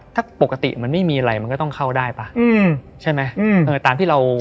ถ้าปกติมันไม่มีอะไรมันก็ต้องเข้าได้ป่ะอืมใช่ไหมอืมเออตามที่เรา